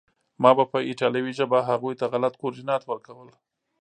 ما به په ایټالوي ژبه هغوی ته غلط کوردینات ورکول